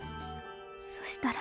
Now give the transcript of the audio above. そしたら。